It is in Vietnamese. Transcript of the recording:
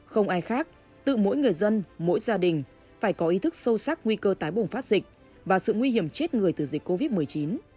không ai khác tự mỗi người dân mỗi gia đình phải có ý thức sâu sắc nguy cơ tái bùng phát dịch và sự nguy hiểm chết người từ dịch covid một mươi chín